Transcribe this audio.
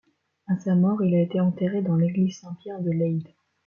À sa mort, il a été enterré dans l’église Saint-Pierre de Leyde.